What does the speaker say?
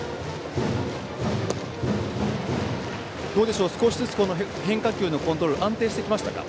どうでしょう、少しずつ変化球のコントロールは安定してきましたか？